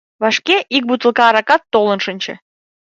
Вашке ик бутылка аракат толын шинче.